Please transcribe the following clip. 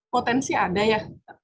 potensi ada ya